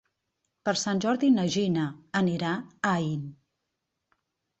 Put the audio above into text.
Per Sant Jordi na Gina anirà a Aín.